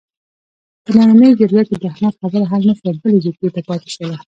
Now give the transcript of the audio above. په نننۍ جرګه کې د احمد خبره حل نشوه، بلې جرګې ته پاتې شوله.